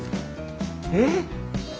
えっ！